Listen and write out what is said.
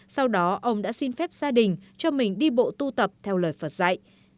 sau đó ông đã xin phép gia đình cho mình đi bộ tu tập theo lời phật dạy